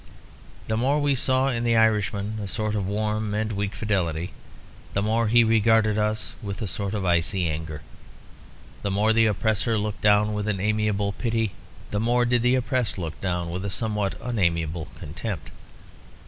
The more we saw in the Irishman a sort of warm and weak fidelity, the more he regarded us with a sort of icy anger. The more the oppressor looked down with an amiable pity, the more did the oppressed look down with a somewhat unamiable contempt.